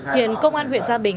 hiện công an huyện gia bình